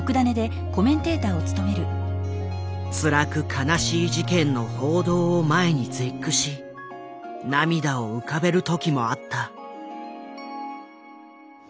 つらく悲しい事件の報道を前に絶句し涙を浮かべる時もあった。